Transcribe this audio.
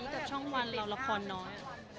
แต่ช่องวันเราละครน้อย